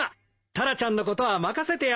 タラちゃんのことは任せてよ。